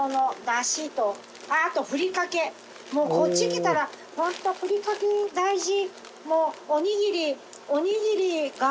もうこっち来たら本当ふりかけ大事。